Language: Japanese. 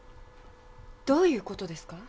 どういう事ですか？